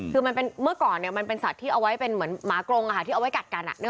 คือเมื่อก่อนมันเป็นสัตว์ที่เอาไว้เป็นเหมือนหมากรงที่เอาไว้กัดกัน